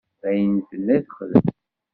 D ayen tenna i texdem.